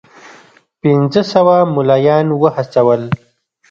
پنځه سوه مُلایان وهڅول.